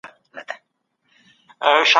سم نیت غوسه نه پیدا کوي.